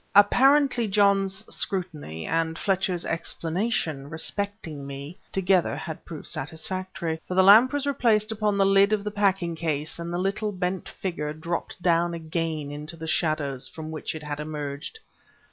Apparently John's scrutiny and Fletcher's explanation respecting me, together had proved satisfactory; for the lamp was replaced upon the lid of the packing case, and the little bent figure dropped down again into the shadows from which it had emerged.